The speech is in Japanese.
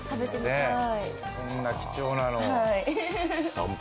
こんな貴重なのを。